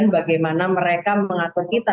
bagaimana mereka mengatur kita